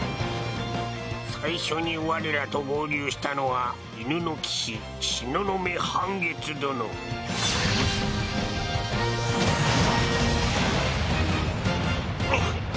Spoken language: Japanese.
最初に我らと合流したのは犬の騎士東雲半月殿あっ。